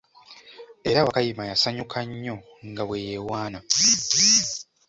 Era Wakayima yasanyuka nnyo nga bwe yewaana.